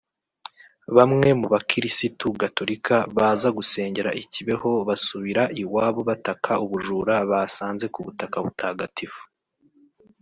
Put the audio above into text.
Bamwe mu bakiristu gatolika baza gusengera i Kibeho basubira iwabo bataka ubujura basanze ku butaka butagatifu